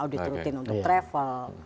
audit rutin untuk travel